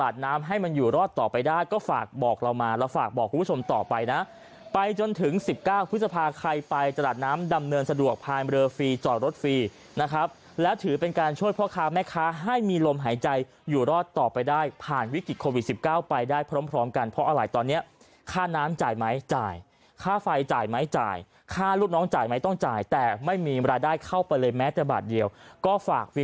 จะพาใครไปตลาดน้ำดำเนินสะดวกภายเมืองฟรีจอดรถฟรีนะครับแล้วถือเป็นการช่วยพ่อค้าแม่ค้าให้มีลมหายใจอยู่รอดต่อไปได้ผ่านวิกฤตโควิดสิบเก้าไปได้พร้อมพร้อมกันเพราะอะไรตอนเนี้ยค่าน้ำจ่ายไหมจ่ายค่าไฟจ่ายไหมจ่ายค่ารูปน้องจ่ายไหมต้องจ่ายแต่ไม่มีรายได้เข้าไปเลยแม้แต่บาทเดียว